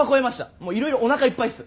もういろいろおなかいっぱいっす。